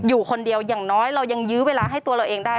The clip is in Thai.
อยู่คนเดียวอย่างน้อยเรายังยื้อเวลาให้ตัวเราเองได้